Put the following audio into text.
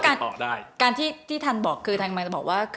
คือว่าการที่ทานบอกเอาในความว่า